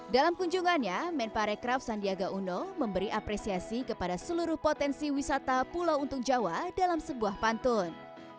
dalam kunjungannya men parekraf sandiaga uno memberi apresiasi kepada seluruh potensi wisata pulau untung jawa dalam sebuah pantun